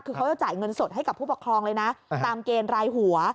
คือเขาจะจ่ายเงินสดให้กับผู้ปกครองเลยนะตามเกณฑ์รายหัว